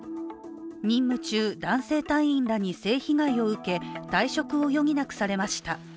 任務中、男性隊員らに性被害を受け、退職を余儀なくされました。